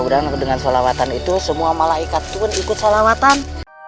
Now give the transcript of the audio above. mudah mudahan dengan sholawatan itu semua malaikat pun ikut salawatan